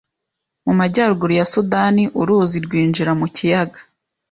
Mu majyaruguru ya Sudani uruzi rwinjira mu kiyaga